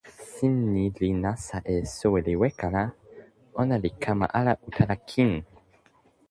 sin ni li nasa e soweli weka la, ona li kama ala utala kin.